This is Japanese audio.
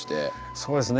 そうですね。